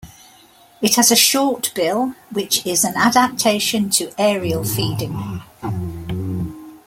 It has a short bill, which is an adaptation to aerial feeding.